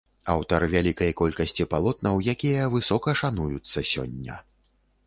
Аўтар вялікай колькасці палотнаў, якія высока шануюцца сёння.